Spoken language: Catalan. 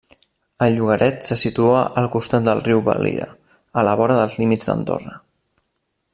El llogaret se situa al costat del riu Valira, a la vora dels límits d'Andorra.